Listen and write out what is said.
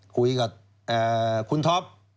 คุยกับคุณท็อป